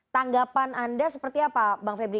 tanggapan anda seperti apa bang febri